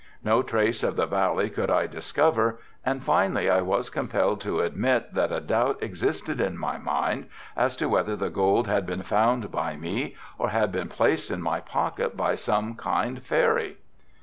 No trace of the valley could I discover and finally I was compelled to admit that a doubt existed in my mind as to whether the gold had been found by me or had been placed in my pocket by some kind fairy.